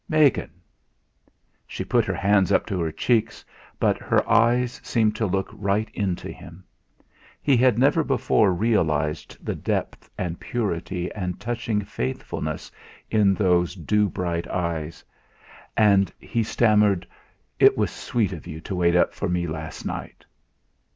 "Megan!" She put her hands up to her cheeks, but her eyes seemed to look right into him. He had never before realised the depth and purity and touching faithfulness in those dew bright eyes, and he stammered: "It was sweet of you to wait up for me last night."